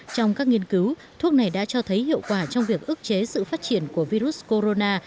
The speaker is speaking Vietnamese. trong các nghiên cứu thuốc này đã cho thấy hiệu quả trong việc ước chế sự phát triển của virus corona